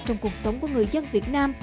trong cuộc sống của người dân việt nam